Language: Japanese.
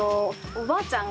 おばあちゃん。